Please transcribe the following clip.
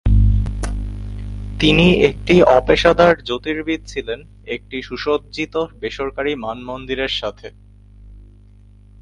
তিনি একটি অপেশাদার জ্যোতির্বিদ ছিলেন একটি সুসজ্জিত বেসরকারী মানমন্দিরের সাথে।